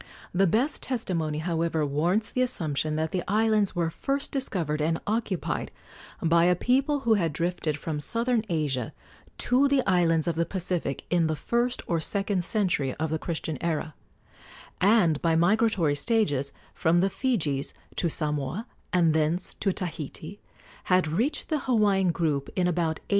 The best testimony, however, warrants the assumption that the islands were first discovered and occupied by a people who had drifted from southern Asia to the islands of the Pacific in the first or second century of the Christian era, and, by migratory stages from the Fijis to Samoa and thence to Tahiti, had reached the Hawaiian group in about A.